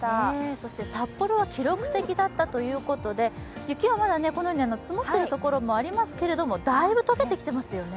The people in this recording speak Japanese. そして札幌は記録的だったということで雪はまだ積もっているところもありますけれども、だいぶ解けてきてますよね。